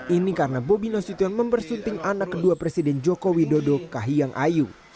ini karena bobi nasution membersunting anak kedua presiden joko widodo kahiyang ayu